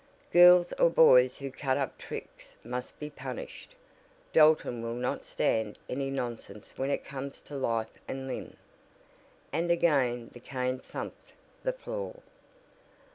Girls or boys who cut up tricks must be punished. Dalton will not stand any nonsense when it comes to life and limb," and again the cane thumped the floor.